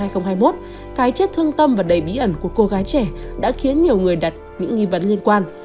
năm hai nghìn hai mươi một cái chết thương tâm và đầy bí ẩn của cô gái trẻ đã khiến nhiều người đặt những nghi vấn liên quan